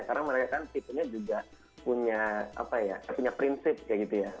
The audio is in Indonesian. karena mereka kan tipenya juga punya apa ya punya prinsip kayak gitu ya